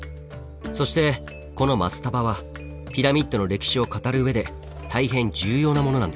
そしてこのマスタバはピラミッドの歴史を語る上で大変重要なものなんです。